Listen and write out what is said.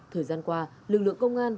thời gian qua lực lượng công an